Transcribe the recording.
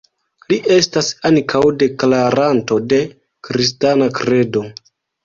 Li estas ankaŭ deklaranto de kristana kredo.